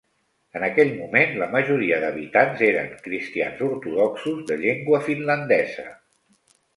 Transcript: En aquell moment, la majoria d'habitants eren cristians ortodoxos de llengua finlandesa.